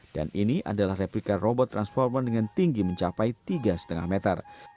dan ini adalah replika robot transformer dengan tinggi mencapai tiga lima meter